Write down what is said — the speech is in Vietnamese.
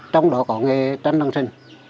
trong đó có nghề tranh năng sinh